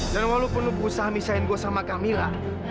dan walaupun lo berusaha misahin gue sama camilla